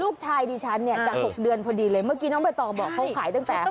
ลูกชายดิฉันเนี่ยจะ๖เดือนพอดีเลยเมื่อกี้น้องบัตรบอกเขาขายตั้งแต่๖เดือน